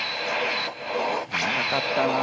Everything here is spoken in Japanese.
長かったな。